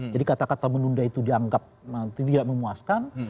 jadi kata kata menunda itu dianggap tidak memuaskan